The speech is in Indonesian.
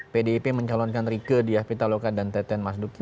pdip mencalonkan rike diah pitaloka dan teten mas duki